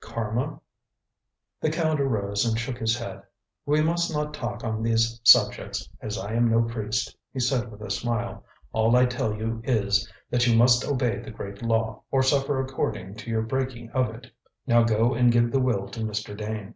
"Karma?" The Count arose and shook his head. "We must not talk on these subjects, as I am no priest," he said with a smile; "all I tell you is, that you must obey the Great Law, or suffer according to your breaking of it. Now go and give the will to Mr. Dane."